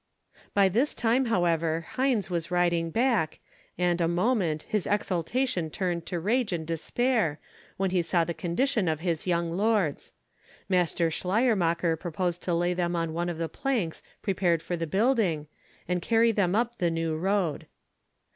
By this time, however, Heinz was riding back, and a moment his exultation changed to rage and despair, when he saw the condition of his young lords. Master Schleiermacher proposed to lay them on some of the planks prepared for the building, and carry them up the new road.